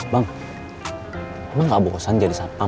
bang emang gak bosan jadi sapa